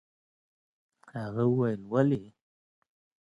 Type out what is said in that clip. هغه وويل: ولې؟